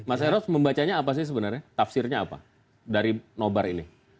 mas eros membacanya apa sih sebenarnya tafsirnya apa dari nobar ini